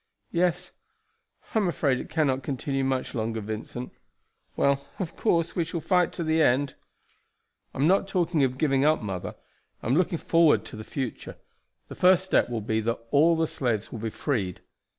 "Yes, I am afraid it cannot continue much longer, Vincent. Well, of course, we shall fight to the end." "I am not talking of giving up, mother; I am looking forward to the future. The first step will be that all the slaves will be freed.